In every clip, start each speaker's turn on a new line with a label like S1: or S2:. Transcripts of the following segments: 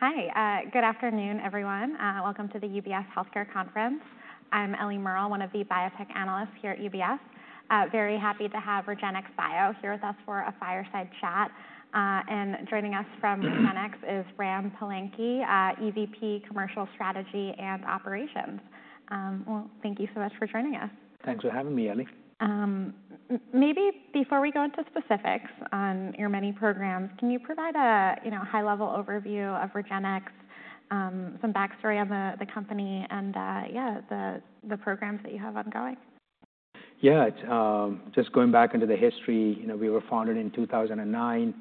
S1: Hi. Good afternoon, everyone. Welcome to the UBS Healthcare Conference. I'm Ellie Murrell, one of the Biotech Analysts here at UBS. Very happy to have REGENXBIO here with us for a fireside chat. And joining us from REGENXBIO is Ram Palanki, EVP, Commercial Strategy and Operations. Well, thank you so much for joining us.
S2: Thanks for having me, Ellie.
S1: Maybe before we go into specifics on your many programs, can you provide a high-level overview of REGENXBIO, some backstory on the company, and yeah, the programs that you have ongoing?
S2: Yeah. Just going back into the history, we were founded in 2009.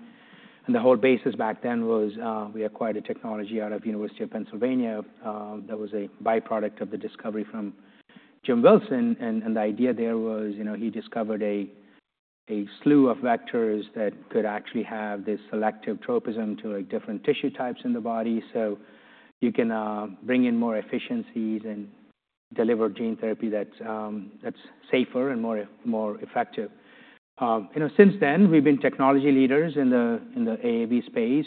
S2: And the whole basis back then was we acquired a technology out of the University of Pennsylvania that was a byproduct of the discovery from Jim Wilson. And the idea there was he discovered a slew of vectors that could actually have this selective tropism to different tissue types in the body. So you can bring in more efficiencies and deliver gene therapy that's safer and more effective. Since then, we've been technology leaders in the AAV space,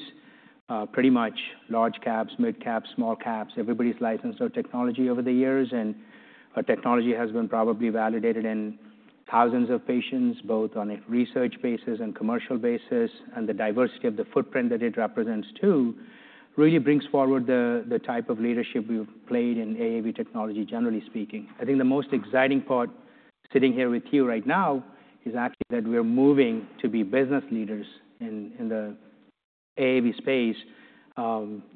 S2: pretty much large caps, mid caps, small caps. Everybody's licensed our technology over the years. And our technology has been probably validated in thousands of patients, both on a research basis and commercial basis. And the diversity of the footprint that it represents, too, really brings forward the type of leadership we've played in AAV technology, generally speaking. I think the most exciting part sitting here with you right now is actually that we're moving to be business leaders in the AAV space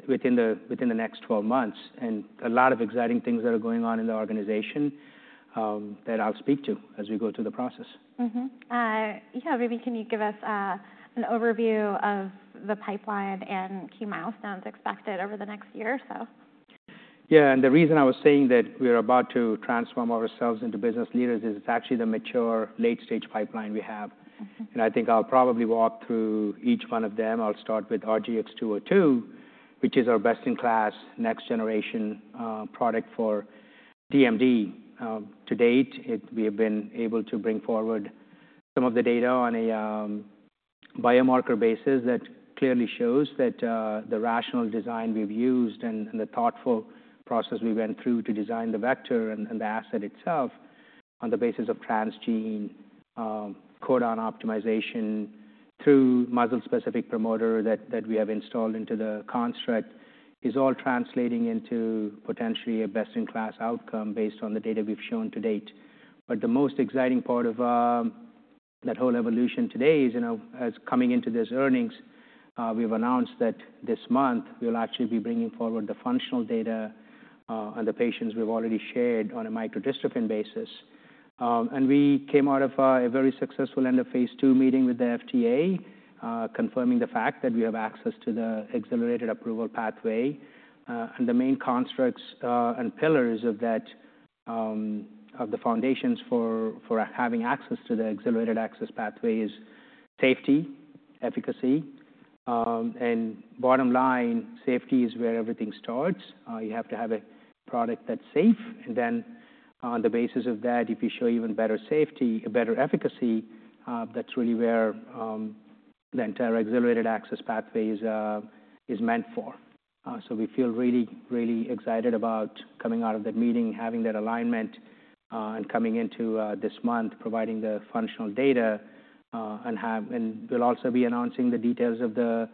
S2: within the next 12 months, and a lot of exciting things that are going on in the organization that I'll speak to as we go through the process.
S1: Yeah. Maybe can you give us an overview of the pipeline and key milestones expected over the next year or so?
S2: Yeah. And the reason I was saying that we are about to transform ourselves into business leaders is it's actually the mature late-stage pipeline we have. And I think I'll probably walk through each one of them. I'll start with RGX-202, which is our best-in-class next-generation product for DMD. To date, we have been able to bring forward some of the data on a biomarker basis that clearly shows that the rational design we've used and the thoughtful process we went through to design the vector and the asset itself on the basis of transgene, codon optimization through muscle-specific promoter that we have installed into the construct is all translating into potentially a best-in-class outcome based on the data we've shown to date. But the most exciting part of that whole evolution today is coming into these earnings. We've announced that this month we'll actually be bringing forward the functional data on the patients we've already shared on a microdystrophin basis. And we came out of a very successful end-of-phase two meeting with the FDA, confirming the fact that we have access to the accelerated approval pathway. And the main constructs and pillars of the foundations for having access to the accelerated approval pathway is safety, efficacy. And bottom line, safety is where everything starts. You have to have a product that's safe. And then on the basis of that, if you show even better safety, better efficacy, that's really where the entire accelerated approval pathway is meant for. So we feel really, really excited about coming out of that meeting, having that alignment, and coming into this month, providing the functional data. We'll also be announcing the details of the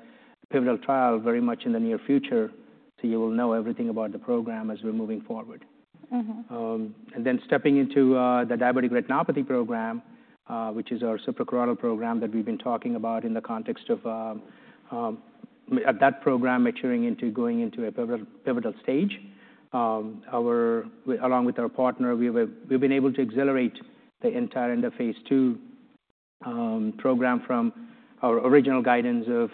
S2: pivotal trial very much in the near future. So you will know everything about the program as we're moving forward. Then stepping into the diabetic retinopathy program, which is our suprachoroidal program that we've been talking about in the context of that program maturing into going into a pivotal stage, along with our partner, we've been able to accelerate the entire end-of-phase two program from our original guidance of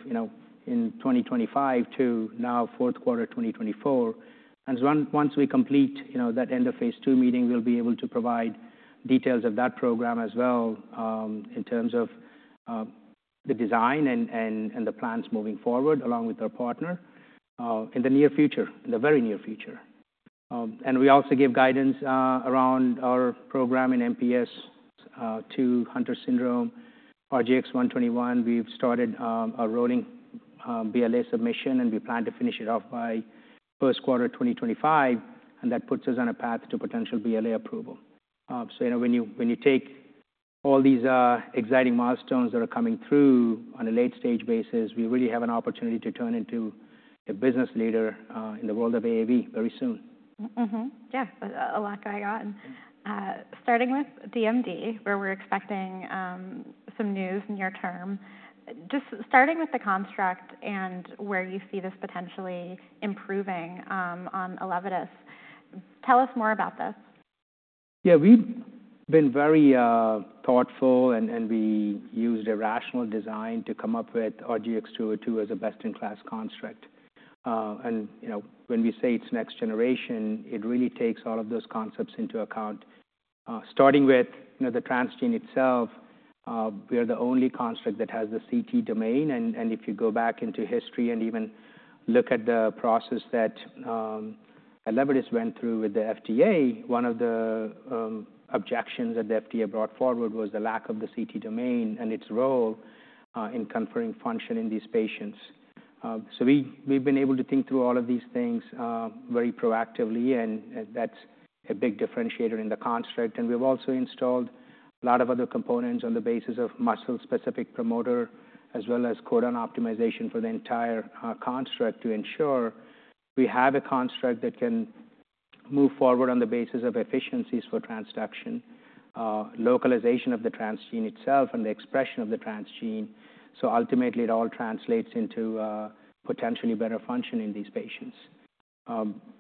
S2: in 2025 to now fourth quarter 2024. Once we complete that end-of-phase two meeting, we'll be able to provide details of that program as well in terms of the design and the plans moving forward along with our partner in the near future, in the very near future. We also give guidance around our program in MPS II, Hunter Syndrome, RGX-121. We've started a rolling BLA submission, and we plan to finish it off by first quarter 2025, and that puts us on a path to potential BLA approval, so when you take all these exciting milestones that are coming through on a late-stage basis, we really have an opportunity to turn into a business leader in the world of AAV very soon.
S1: Yeah. A lot going on. Starting with DMD, where we're expecting some news near term. Just starting with the construct and where you see this potentially improving on Elevidys, tell us more about this.
S2: Yeah. We've been very thoughtful, and we used a rational design to come up with RGX-202 as a best-in-class construct. And when we say it's next generation, it really takes all of those concepts into account. Starting with the transgene itself, we are the only construct that has the CT domain. And if you go back into history and even look at the process that Elevidys went through with the FDA, one of the objections that the FDA brought forward was the lack of the CT domain and its role in conferring function in these patients. So we've been able to think through all of these things very proactively. And that's a big differentiator in the construct. And we've also installed a lot of other components on the basis of muscle-specific promoter, as well as codon optimization for the entire construct to ensure we have a construct that can move forward on the basis of efficiencies for transduction, localization of the transgene itself, and the expression of the transgene. So ultimately, it all translates into potentially better function in these patients.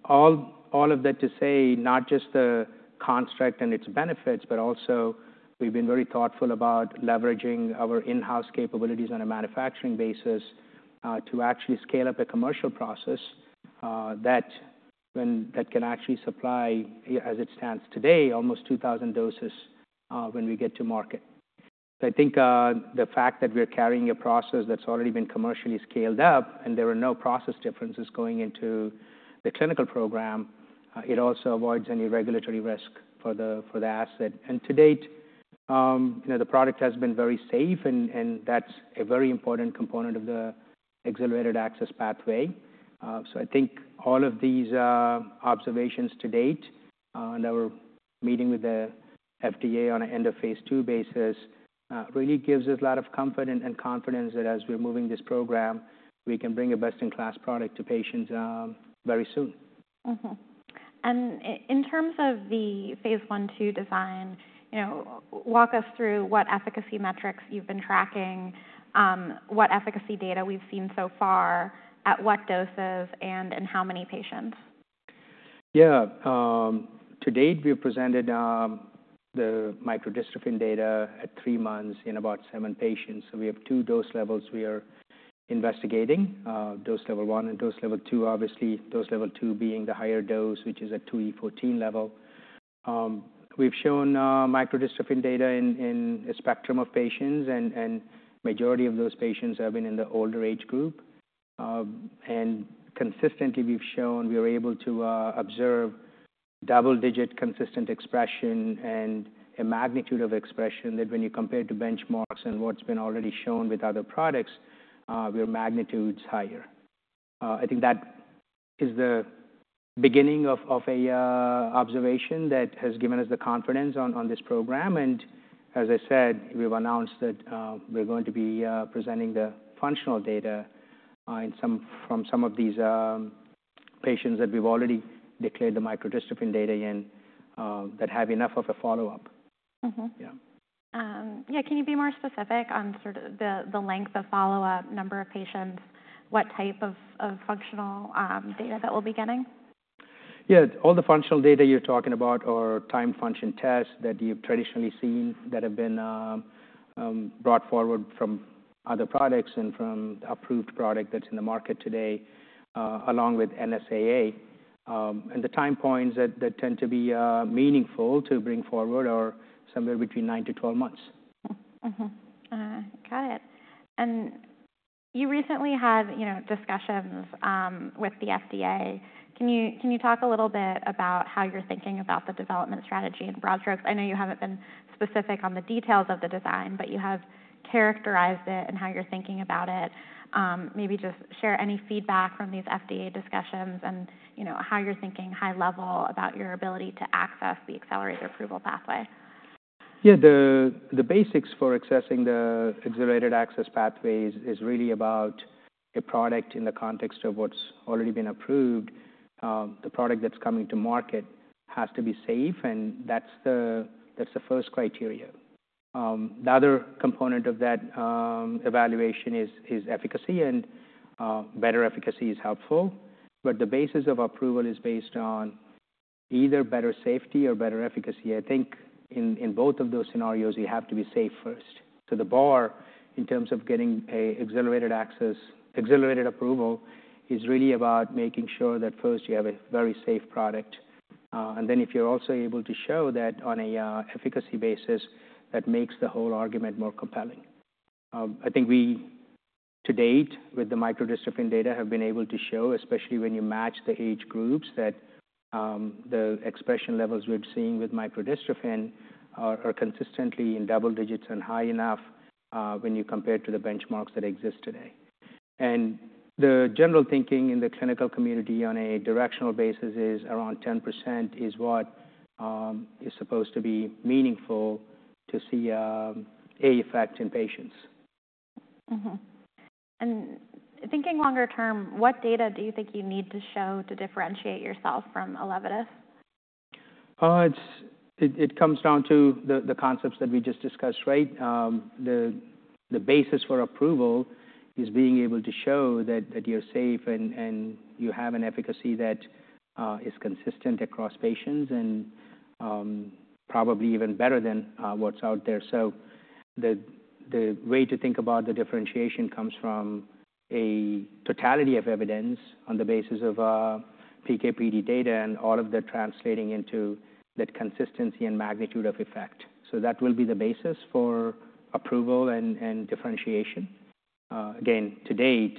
S2: All of that to say, not just the construct and its benefits, but also we've been very thoughtful about leveraging our in-house capabilities on a manufacturing basis to actually scale up a commercial process that can actually supply, as it stands today, almost 2,000 doses when we get to market. So I think the fact that we're carrying a process that's already been commercially scaled up, and there are no process differences going into the clinical program, it also avoids any regulatory risk for the asset. To date, the product has been very safe, and that's a very important component of the accelerated approval pathway. I think all of these observations to date and our meeting with the FDA on an end-of-phase two basis really gives us a lot of comfort and confidence that as we're moving this program, we can bring a best-in-class product to patients very soon.
S1: In terms of the phase one two design, walk us through what efficacy metrics you've been tracking, what efficacy data we've seen so far, at what doses, and in how many patients?
S2: Yeah. To date, we've presented the microdystrophin data at three months in about seven patients. So we have two dose levels we are investigating, dose level one and dose level two, obviously, dose level two being the higher dose, which is at 2E14 level. We've shown microdystrophin data in a spectrum of patients, and the majority of those patients have been in the older age group and consistently, we've shown we were able to observe double-digit consistent expression and a magnitude of expression that when you compare to benchmarks and what's been already shown with other products, we're magnitudes higher. I think that is the beginning of an observation that has given us the confidence on this program. As I said, we've announced that we're going to be presenting the functional data from some of these patients that we've already declared the microdystrophin data in that have enough of a follow-up. Yeah.
S1: Yeah. Can you be more specific on sort of the length of follow-up, number of patients, what type of functional data that we'll be getting?
S2: Yeah. All the functional data you're talking about are time function tests that you've traditionally seen that have been brought forward from other products and from the approved product that's in the market today, along with NSAA. The time points that tend to be meaningful to bring forward are somewhere between nine to 12 months.
S1: Got it. And you recently had discussions with the FDA. Can you talk a little bit about how you're thinking about the development strategy in broad strokes? I know you haven't been specific on the details of the design, but you have characterized it and how you're thinking about it. Maybe just share any feedback from these FDA discussions and how you're thinking high level about your ability to access the accelerated approval pathway.
S2: Yeah. The basics for accessing the accelerated approval pathway is really about a product in the context of what's already been approved. The product that's coming to market has to be safe. And that's the first criteria. The other component of that evaluation is efficacy. And better efficacy is helpful. But the basis of approval is based on either better safety or better efficacy. I think in both of those scenarios, you have to be safe first. So the bar in terms of getting accelerated approval is really about making sure that first you have a very safe product. And then if you're also able to show that on an efficacy basis, that makes the whole argument more compelling. I think we, to date, with the microdystrophin data have been able to show, especially when you match the age groups, that the expression levels we're seeing with microdystrophin are consistently in double digits and high enough when you compare it to the benchmarks that exist today. And the general thinking in the clinical community on a directional basis is around 10% is what is supposed to be meaningful to see an effect in patients.
S1: Thinking longer term, what data do you think you need to show to differentiate yourself from Elevidys?
S2: It comes down to the concepts that we just discussed, right? The basis for approval is being able to show that you're safe and you have an efficacy that is consistent across patients and probably even better than what's out there. So the way to think about the differentiation comes from a totality of evidence on the basis of PK/PD data and all of that translating into that consistency and magnitude of effect. So that will be the basis for approval and differentiation. Again, to date,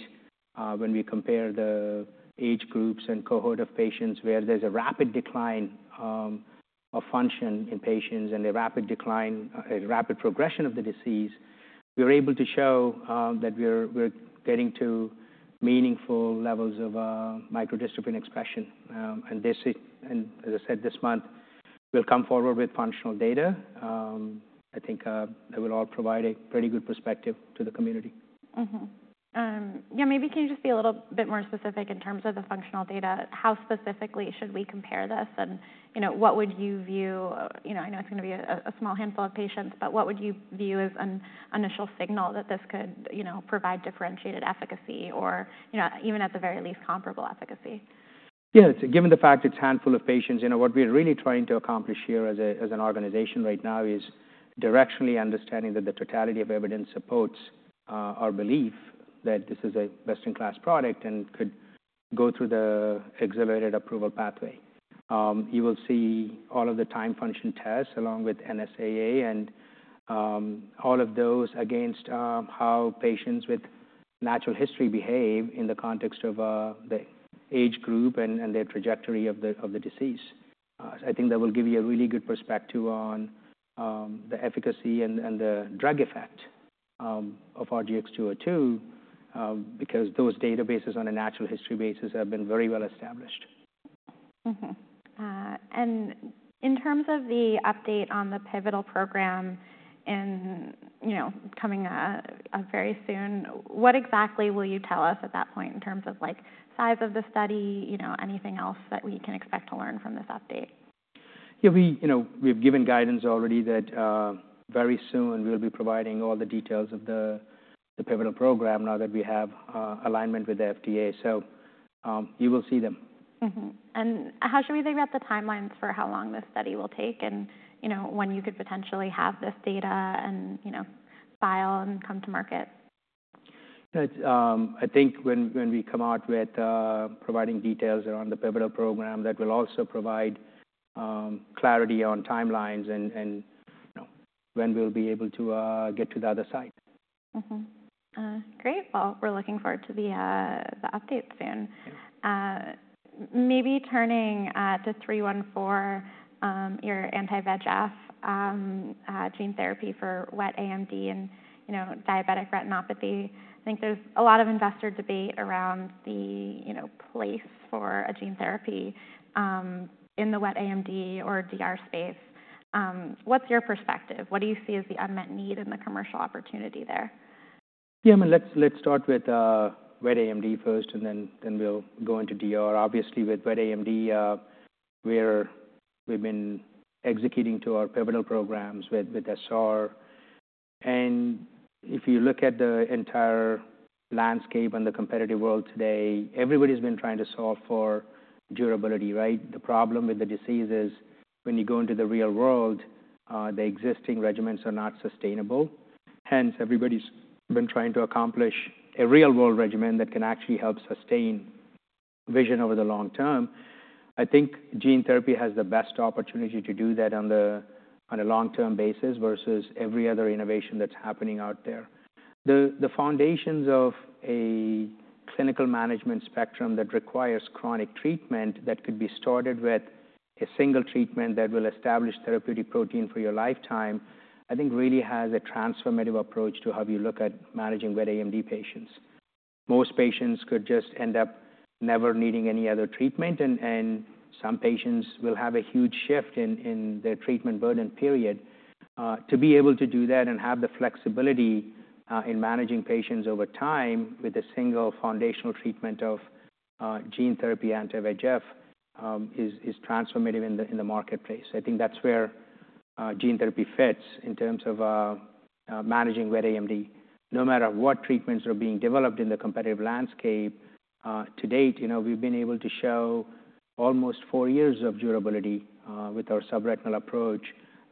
S2: when we compare the age groups and cohort of patients where there's a rapid decline of function in patients and a rapid progression of the disease, we were able to show that we're getting to meaningful levels of microdystrophin expression. And as I said, this month, we'll come forward with functional data. I think that will all provide a pretty good perspective to the community.
S1: Yeah. Maybe can you just be a little bit more specific in terms of the functional data? How specifically should we compare this? And what would you view? I know it's going to be a small handful of patients, but what would you view as an initial signal that this could provide differentiated efficacy or even at the very least comparable efficacy?
S2: Yeah. Given the fact it's a handful of patients, what we're really trying to accomplish here as an organization right now is directionally understanding that the totality of evidence supports our belief that this is a best-in-class product and could go through the accelerated approval pathway. You will see all of the time function tests along with NSAA and all of those against how patients with natural history behave in the context of the age group and their trajectory of the disease. I think that will give you a really good perspective on the efficacy and the drug effect of RGX-202 because those databases on a natural history basis have been very well established.
S1: In terms of the update on the pivotal program coming up very soon, what exactly will you tell us at that point in terms of size of the study, anything else that we can expect to learn from this update?
S2: Yeah. We've given guidance already that very soon we'll be providing all the details of the pivotal program now that we have alignment with the FDA. So you will see them.
S1: How should we think about the timelines for how long this study will take and when you could potentially have this data and file and come to market?
S2: I think when we come out with providing details around the pivotal program, that will also provide clarity on timelines and when we'll be able to get to the other side.
S1: Great. Well, we're looking forward to the update soon. Maybe turning to 314, your anti-VEGF gene therapy for wet AMD and diabetic retinopathy. I think there's a lot of investor debate around the place for a gene therapy in the wet AMD or DR space. What's your perspective? What do you see as the unmet need and the commercial opportunity there?
S2: Yeah. Let's start with wet AMD first, and then we'll go into DR. Obviously, with wet AMD, we've been executing to our pivotal programs with SR. And if you look at the entire landscape and the competitive world today, everybody's been trying to solve for durability, right? The problem with the disease is when you go into the real world, the existing regimens are not sustainable. Hence, everybody's been trying to accomplish a real-world regimen that can actually help sustain vision over the long term. I think gene therapy has the best opportunity to do that on a long-term basis versus every other innovation that's happening out there. The foundations of a clinical management spectrum that requires chronic treatment that could be started with a single treatment that will establish therapeutic protein for your lifetime, I think really has a transformative approach to how you look at managing wet AMD patients. Most patients could just end up never needing any other treatment. And some patients will have a huge shift in their treatment burden period. To be able to do that and have the flexibility in managing patients over time with a single foundational treatment of gene therapy anti-VEGF is transformative in the marketplace. I think that's where gene therapy fits in terms of managing wet AMD. No matter what treatments are being developed in the competitive landscape, to date, we've been able to show almost four years of durability with our subretinal approach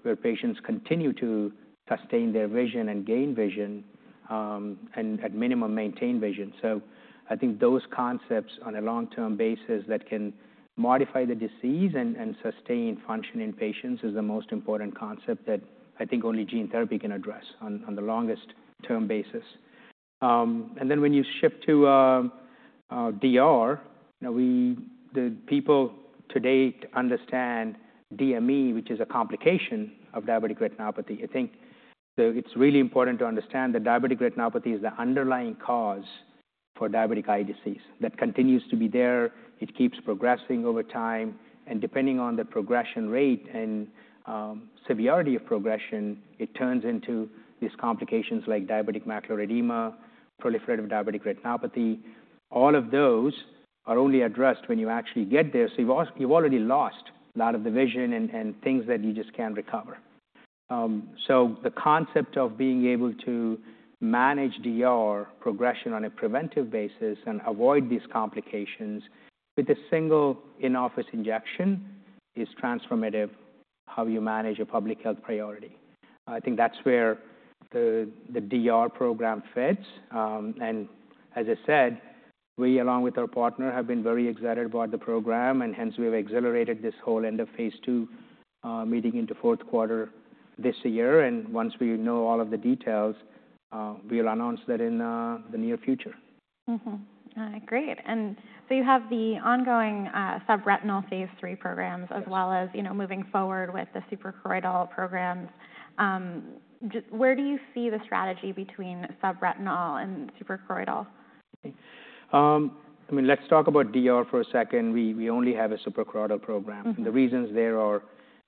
S2: where patients continue to sustain their vision and gain vision and at minimum maintain vision. So I think those concepts on a long-term basis that can modify the disease and sustain function in patients is the most important concept that I think only gene therapy can address on the longest-term basis. And then when you shift to DR, the people to date understand DME, which is a complication of diabetic retinopathy. I think it's really important to understand that diabetic retinopathy is the underlying cause for diabetic eye disease that continues to be there. It keeps progressing over time. And depending on the progression rate and severity of progression, it turns into these complications like diabetic macular edema, proliferative diabetic retinopathy. All of those are only addressed when you actually get there. So you've already lost a lot of the vision and things that you just can't recover. So the concept of being able to manage DR progression on a preventive basis and avoid these complications with a single in-office injection is transformative how you manage a public health priority. I think that's where the DR program fits. And as I said, we, along with our partner, have been very excited about the program. And hence, we've accelerated this whole end-of-phase two meeting into fourth quarter this year. And once we know all of the details, we'll announce that in the near future.
S1: Great, and so you have the ongoing subretinal phase three programs as well as moving forward with the suprachoroidal programs. Where do you see the strategy between subretinal and suprachoroidal?
S2: I mean, let's talk about DR for a second. We only have a suprachoroidal program. And the reasons there are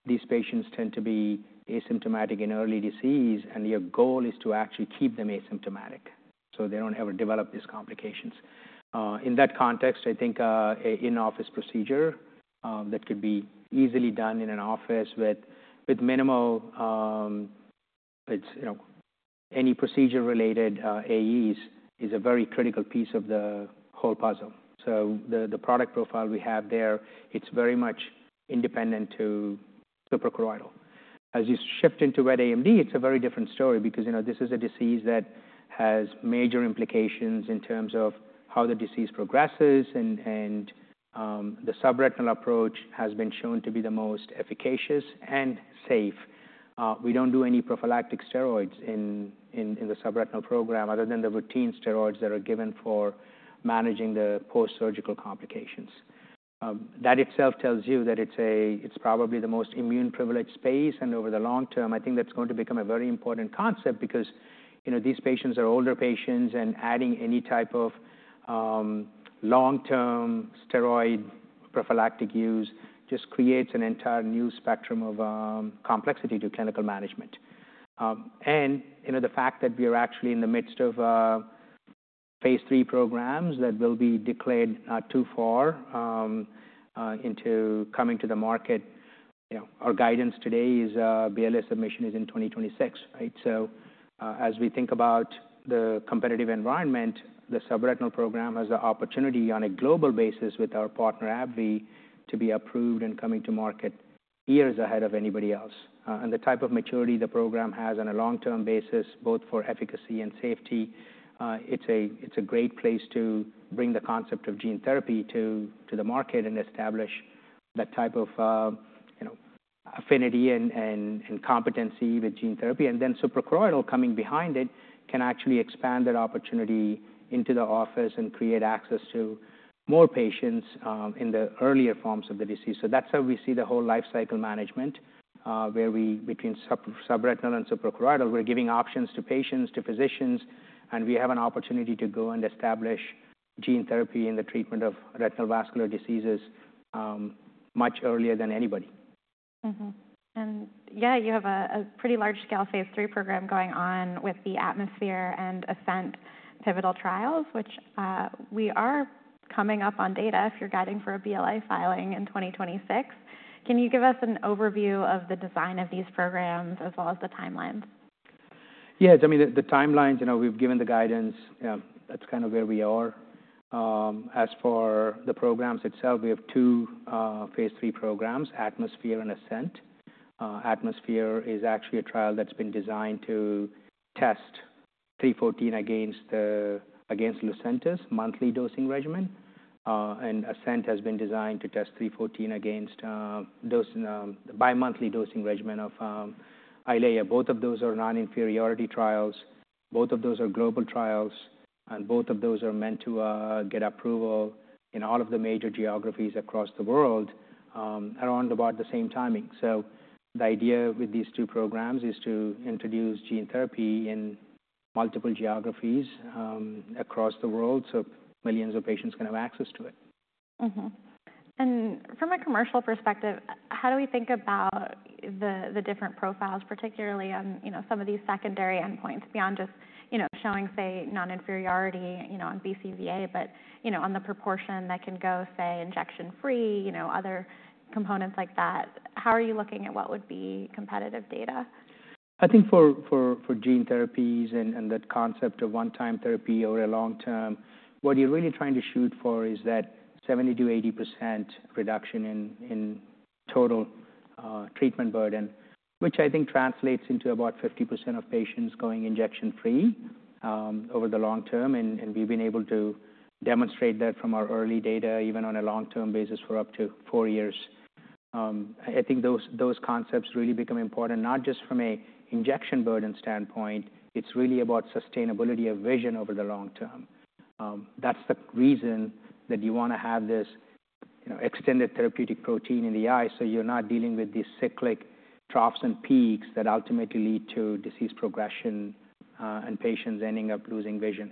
S2: these patients tend to be asymptomatic in early disease. And your goal is to actually keep them asymptomatic so they don't ever develop these complications. In that context, I think an in-office procedure that could be easily done in an office with minimal any procedure-related AEs is a very critical piece of the whole puzzle. So the product profile we have there, it's very much independent to suprachoroidal. As you shift into wet AMD, it's a very different story because this is a disease that has major implications in terms of how the disease progresses. And the subretinal approach has been shown to be the most efficacious and safe. We don't do any prophylactic steroids in the subretinal program other than the routine steroids that are given for managing the post-surgical complications. That itself tells you that it's probably the most immune-privileged space, and over the long term, I think that's going to become a very important concept because these patients are older patients, and adding any type of long-term steroid prophylactic use just creates an entire new spectrum of complexity to clinical management, and the fact that we are actually in the midst of phase three programs that will be declared not too far into coming to the market. Our guidance today is BLA submission is in 2026, right, so as we think about the competitive environment, the subretinal program has the opportunity on a global basis with our partner AbbVie to be approved and coming to market years ahead of anybody else. The type of maturity the program has on a long-term basis, both for efficacy and safety, it's a great place to bring the concept of gene therapy to the market and establish that type of affinity and competency with gene therapy. Then suprachoroidal coming behind it can actually expand that opportunity into the office and create access to more patients in the earlier forms of the disease. That's how we see the whole lifecycle management where between subretinal and suprachoroidal, we're giving options to patients, to physicians. We have an opportunity to go and establish gene therapy in the treatment of retinal vascular diseases much earlier than anybody.
S1: Yeah, you have a pretty large-scale phase III program going on with the ATMOSPHERE and ASCENT pivotal trials, which we are coming up on data if you're guiding for a BLA filing in 2026. Can you give us an overview of the design of these programs as well as the timelines?
S2: Yes. I mean, the timelines, we've given the guidance. That's kind of where we are. As for the programs itself, we have two phase three programs, ATMOSPHERE and ASCENT. ATMOSPHERE is actually a trial that's been designed to test 314 against Lucentis monthly dosing regimen, and ASCENT has been designed to test 314 against the bi-monthly dosing regimen of Eylea. Both of those are non-inferiority trials. Both of those are global trials, and both of those are meant to get approval in all of the major geographies across the world around about the same timing, so the idea with these two programs is to introduce gene therapy in multiple geographies across the world so millions of patients can have access to it.
S1: From a commercial perspective, how do we think about the different profiles, particularly on some of these secondary endpoints beyond just showing, say, non-inferiority on BCVA, but on the proportion that can go, say, injection-free, other components like that? How are you looking at what would be competitive data?
S2: I think for gene therapies and that concept of one-time therapy over a long term, what you're really trying to shoot for is that 70%-80% reduction in total treatment burden, which I think translates into about 50% of patients going injection-free over the long term, and we've been able to demonstrate that from our early data, even on a long-term basis for up to four years. I think those concepts really become important, not just from an injection burden standpoint. It's really about sustainability of vision over the long term. That's the reason that you want to have this extended therapeutic protein in the eye so you're not dealing with these cyclic troughs and peaks that ultimately lead to disease progression and patients ending up losing vision.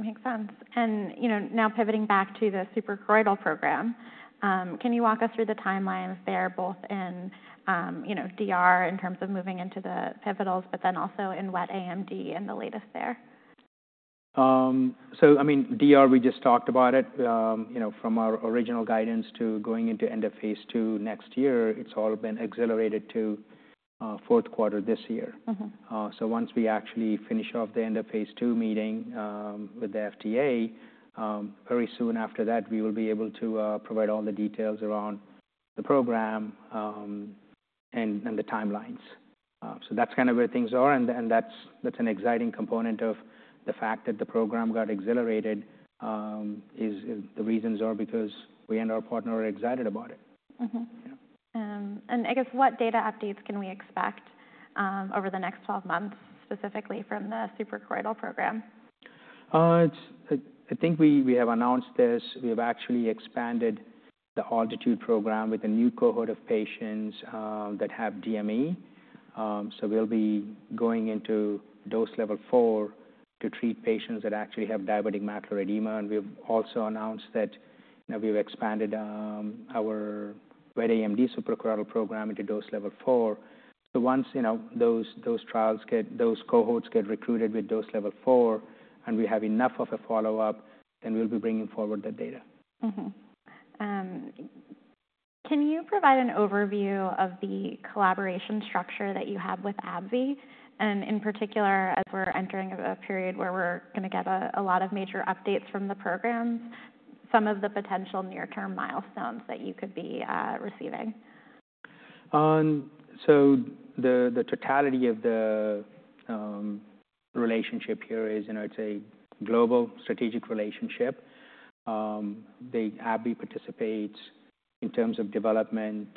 S1: Makes sense. And now pivoting back to the suprachoroidal program, can you walk us through the timelines there both in DR in terms of moving into the pivotals, but then also in wet AMD and the latest there?
S2: So I mean, DR, we just talked about it. From our original guidance to going into end-of-phase two next year, it's all been accelerated to fourth quarter this year. So once we actually finish off the end-of-phase two meeting with the FDA, very soon after that, we will be able to provide all the details around the program and the timelines. So that's kind of where things are. And that's an exciting component of the fact that the program got accelerated. The reasons are because we and our partner are excited about it.
S1: I guess what data updates can we expect over the next 12 months specifically from the suprachoroidal program?
S2: I think we have announced this. We have actually expanded the ALTITUDE program with a new cohort of patients that have DME. So we'll be going into dose level four to treat patients that actually have diabetic macular edema. And we have also announced that we've expanded our wet AMD suprachoroidal program into dose level four. So once those trials, those cohorts get recruited with dose level four and we have enough of a follow-up, then we'll be bringing forward the data.
S1: Can you provide an overview of the collaboration structure that you have with AbbVie, in particular as we're entering a period where we're going to get a lot of major updates from the programs, some of the potential near-term milestones that you could be receiving?
S2: So the totality of the relationship here is, I'd say, global strategic relationship. AbbVie participates in terms of development,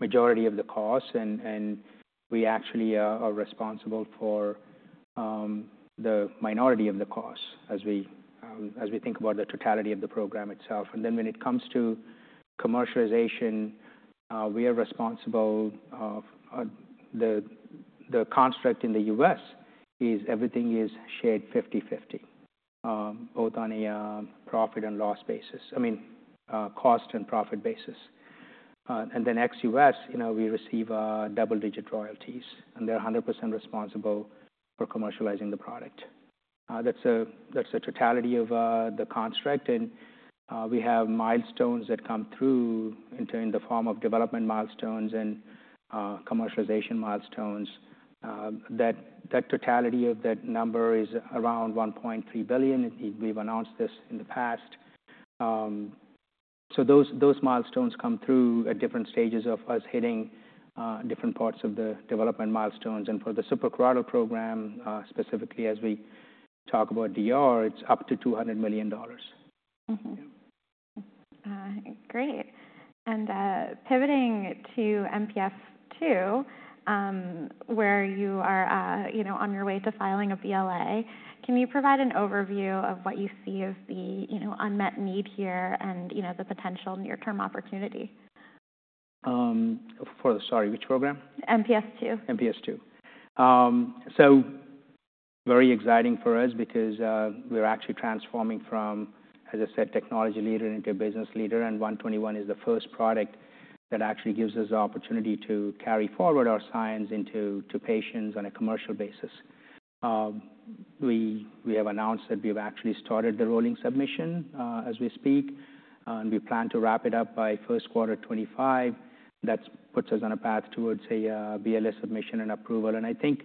S2: majority of the cost. And we actually are responsible for the minority of the cost as we think about the totality of the program itself. And then when it comes to commercialization, we are responsible. The construct in the U.S. is everything is shared 50/50, both on a profit and loss basis, I mean, cost and profit basis. And then ex-U.S., we receive double-digit royalties. And they're 100% responsible for commercializing the product. That's the totality of the construct. And we have milestones that come through in the form of development milestones and commercialization milestones. That totality of that number is around $1.3 billion. We've announced this in the past. So those milestones come through at different stages of us hitting different parts of the development milestones. For the suprachoroidal program, specifically as we talk about DR, it's up to $200 million.
S1: Great. And pivoting to MPS II, where you are on your way to filing a BLA, can you provide an overview of what you see as the unmet need here and the potential near-term opportunity?
S2: For the, sorry, which program?
S1: MPS II.
S2: MPS II. So very exciting for us because we're actually transforming from, as I said, technology leader into a business leader. And RGX-121 is the first product that actually gives us the opportunity to carry forward our science into patients on a commercial basis. We have announced that we've actually started the rolling submission as we speak. And we plan to wrap it up by first quarter 2025. That puts us on a path towards, say, BLA submission and approval. And I think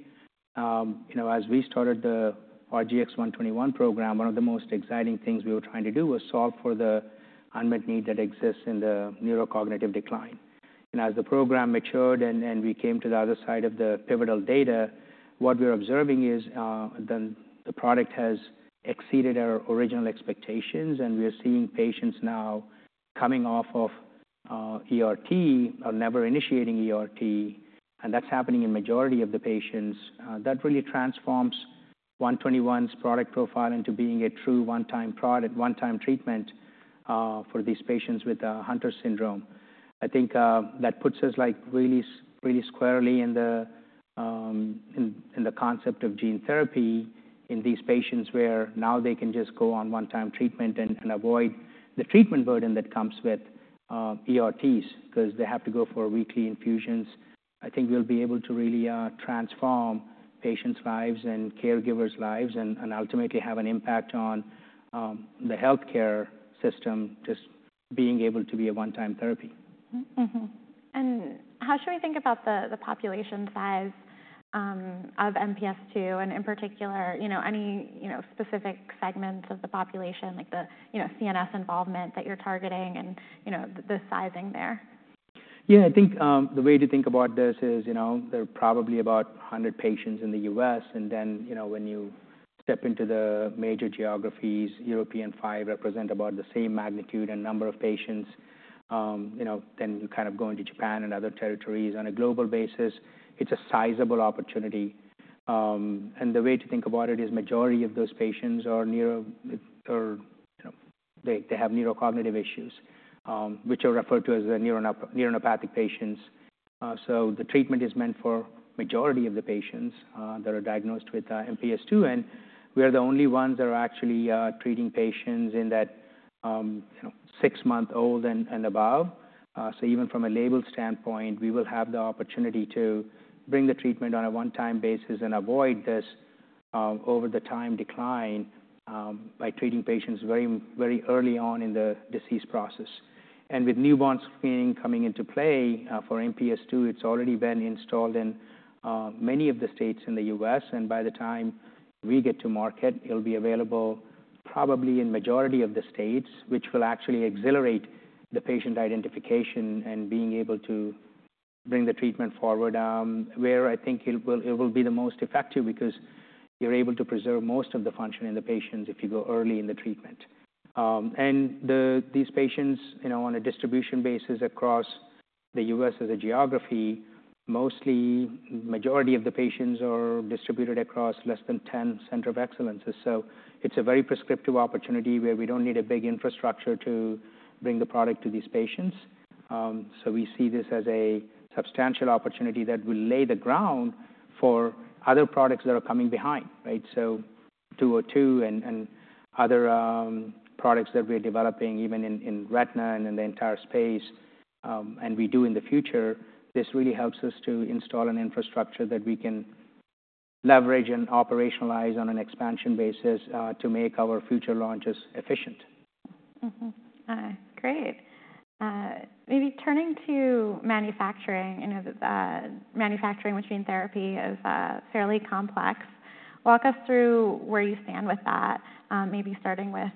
S2: as we started the RGX-121 program, one of the most exciting things we were trying to do was solve for the unmet need that exists in the neurocognitive decline. And as the program matured and we came to the other side of the pivotal data, what we're observing is the product has exceeded our original expectations. We're seeing patients now coming off of ERT or never initiating ERT. That's happening in the majority of the patients. That really transforms 121's product profile into being a true one-time product, one-time treatment for these patients with Hunter syndrome. I think that puts us really squarely in the concept of gene therapy in these patients where now they can just go on one-time treatment and avoid the treatment burden that comes with ERTs because they have to go for weekly infusions. I think we'll be able to really transform patients' lives and caregivers' lives and ultimately have an impact on the healthcare system just being able to be a one-time therapy.
S1: How should we think about the population size of MPS II and in particular any specific segments of the population, like the CNS involvement that you're targeting and the sizing there?
S2: Yeah. I think the way to think about this is there are probably about 100 patients in the U.S., and then when you step into the major geographies, European five represent about the same magnitude and number of patients, then you kind of go into Japan and other territories on a global basis. It's a sizable opportunity, and the way to think about it is majority of those patients are neuro- they have neurocognitive issues, which are referred to as neuronopathic patients, so the treatment is meant for majority of the patients that are diagnosed with MPS II, and we are the only ones that are actually treating patients in that six-month-old and above, so even from a label standpoint, we will have the opportunity to bring the treatment on a one-time basis and avoid this over-the-time decline by treating patients very early on in the disease process. And with newborn screening coming into play for MPS II, it's already been installed in many of the states in the U.S. And by the time we get to market, it'll be available probably in the majority of the states, which will actually accelerate the patient identification and being able to bring the treatment forward where I think it will be the most effective because you're able to preserve most of the function in the patients if you go early in the treatment. And these patients on a distribution basis across the U.S. as a geography, mostly majority of the patients are distributed across less than 10 centers of excellence. So it's a very prescriptive opportunity where we don't need a big infrastructure to bring the product to these patients. So we see this as a substantial opportunity that will lay the ground for other products that are coming behind, right? So 202 and other products that we're developing even in retina and in the entire space. And we do in the future. This really helps us to install an infrastructure that we can leverage and operationalize on an expansion basis to make our future launches efficient.
S1: Great. Maybe turning to manufacturing, manufacturing with gene therapy is fairly complex. Walk us through where you stand with that, maybe starting with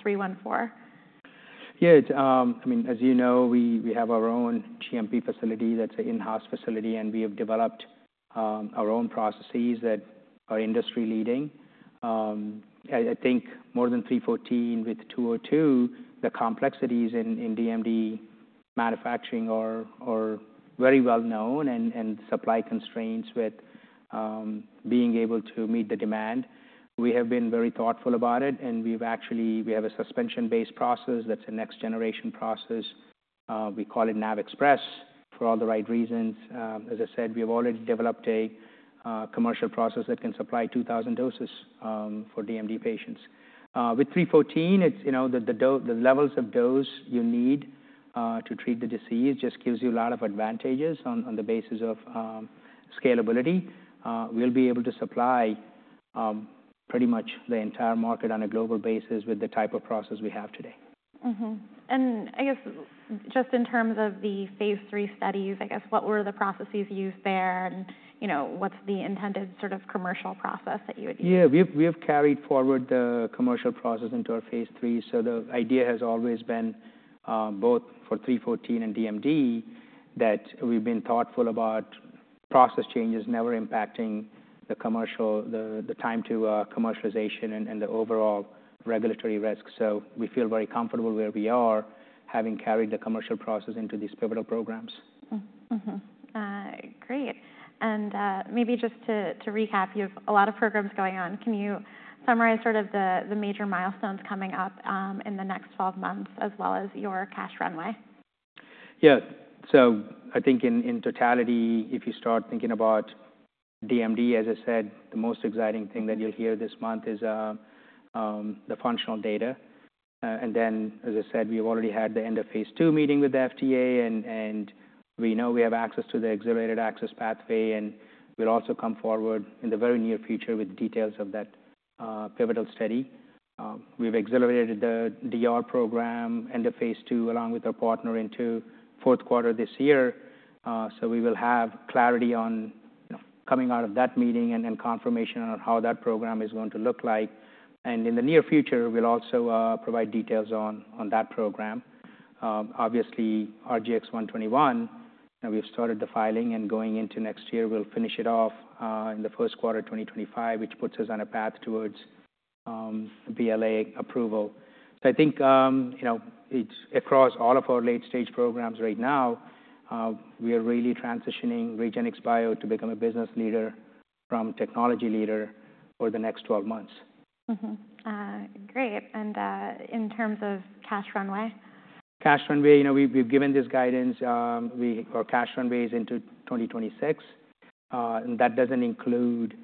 S1: 314.
S2: Yeah. I mean, as you know, we have our own GMP facility that's an in-house facility, and we have developed our own processes that are industry-leading. I think more than with 314, with 202, the complexities in DMD manufacturing are very well known and supply constraints with being able to meet the demand. We have been very thoughtful about it, and we have a suspension-based process that's a next-generation process. We call it NAV Express for all the right reasons. As I said, we have already developed a commercial process that can supply 2,000 doses for DMD patients. With 314, the levels of dose you need to treat the disease just gives you a lot of advantages on the basis of scalability. We'll be able to supply pretty much the entire market on a global basis with the type of process we have today.
S1: And I guess just in terms of the phase three studies, I guess what were the processes used there? And what's the intended sort of commercial process that you would use?
S2: Yeah. We have carried forward the commercial process into our phase three. So the idea has always been both for 314 and DMD that we've been thoughtful about process changes never impacting the time to commercialization and the overall regulatory risk. So we feel very comfortable where we are having carried the commercial process into these pivotal programs.
S1: Great, and maybe just to recap, you have a lot of programs going on. Can you summarize sort of the major milestones coming up in the next 12 months as well as your cash runway?
S2: Yeah, so I think in totality, if you start thinking about DMD, as I said, the most exciting thing that you'll hear this month is the functional data, and then, as I said, we've already had the end-of-phase two meeting with the FDA, and we know we have access to the accelerated approval pathway, and we'll also come forward in the very near future with details of that pivotal study. We've accelerated the DR program, end-of-phase two, along with our partner into fourth quarter this year, so we will have clarity on coming out of that meeting and confirmation on how that program is going to look like, and in the near future, we'll also provide details on that program. Obviously, RGX-121, we've started the filing, and going into next year, we'll finish it off in the first quarter 2025, which puts us on a path towards BLA approval. I think across all of our late-stage programs right now, we are really transitioning REGENXBIO to become a business leader from technology leader over the next 12 months.
S1: Great. And in terms of cash runway?
S2: Cash runway, we've given this guidance. Our cash runway is into 2026, and that doesn't include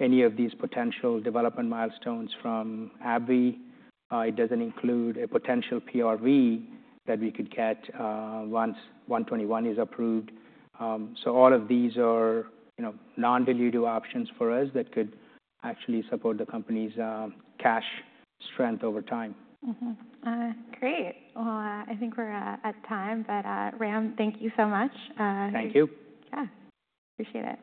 S2: any of these potential development milestones from AbbVie. It doesn't include a potential PRV that we could get once 121 is approved, so all of these are non-dilutive options for us that could actually support the company's cash strength over time.
S1: Great. Well, I think we're at time. But, Ram, thank you so much.
S2: Thank you.
S1: Yeah. Appreciate it.